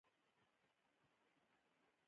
قیر چارې پیل شوې!